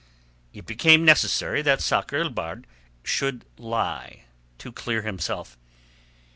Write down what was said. It became necessary that Sakr el Bahr should lie to clear himself.